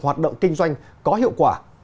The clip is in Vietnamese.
hoạt động kinh doanh có hiệu quả